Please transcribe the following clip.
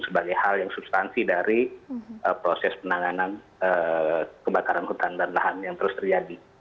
sebagai hal yang substansi dari proses penanganan kebakaran hutan dan lahan yang terus terjadi